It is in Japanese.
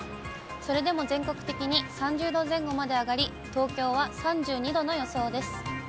それでも全国的に３０度前後まで上がり、東京は３２度の予想です。